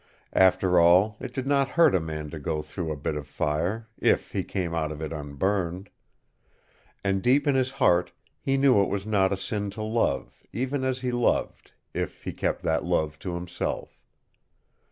After all, it did not hurt a man to go through a bit of fire if he came out of it unburned. And deep in his heart he knew it was not a sin to love, even as he loved, if he kept that love to himself.